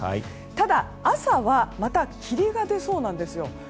ただ、朝はまた霧が出そうなんですよ。